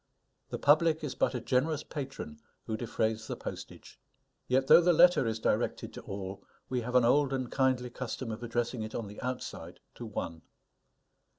The public is but a generous patron who defrays the postage. Yet though the letter is directed to all, we have an old and kindly custom of addressing it on the outside to one.